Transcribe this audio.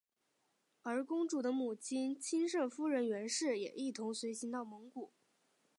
而公主的母亲钦圣夫人袁氏也一同随行到蒙古。